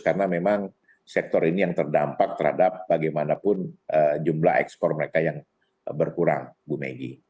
karena memang sektor ini yang terdampak terhadap bagaimanapun jumlah ekspor mereka yang berkurang bu megi